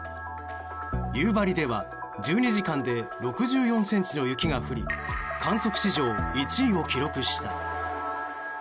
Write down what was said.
夕張では１２時間で６４ｃｍの雪が降り観測史上１位を記録した。